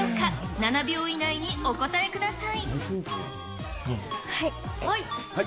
７秒以内にお答えください。